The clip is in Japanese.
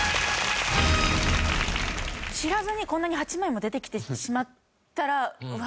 知らずにこんなに８枚も出てきてしまったらうわ